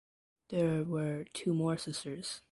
There were two more sisters.